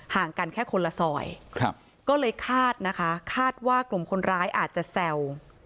ห่างกันแค่คนละซอยก็เลยคาดนะคะคาดว่ากลุ่มคนร้ายอาจจะแซว